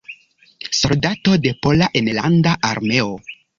Soldato de Pola Enlanda Armeo.